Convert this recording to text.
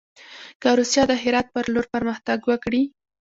که روسیه د هرات پر لور پرمختګ وکړي.